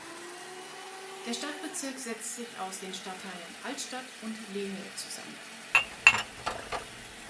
Der Stadtbezirk setzt sich aus den Stadtteilen Altstadt und Lehel zusammen.